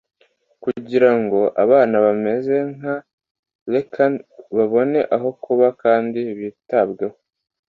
kugira ngo abana bameze nka Lakhan babone aho kuba kandi bitabweho